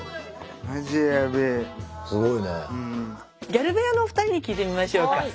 ギャル部屋のお二人に聞いてみましょうか。